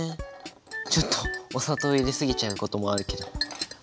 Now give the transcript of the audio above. ちょっとお砂糖入れ過ぎちゃうこともあるけど。